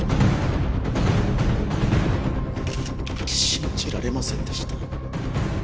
信じられませんでした。